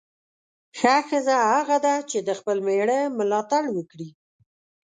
ښه ښځه هغه ده چې د خپل میړه ملاتړ وکړي.